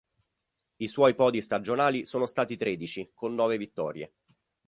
I suoi podi stagionali sono stati tredici, con nove vittorie.